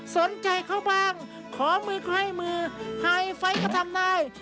สนใจเขาบ้างขอมือเข้าให้มือไฟไฟก็ทำได้